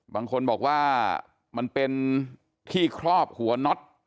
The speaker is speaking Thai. บางคนบอกว่ามันเป็นที่ครอบหัวน็อต